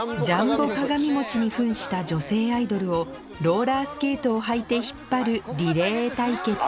ジャンボ鏡餅に扮した女性アイドルをローラースケートを履いて引っ張るリレー対決